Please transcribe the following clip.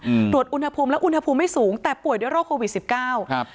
อืมตรวจอุณหภูมิแล้วอุณหภูมิไม่สูงแต่ป่วยด้วยโรคโควิดสิบเก้าครับ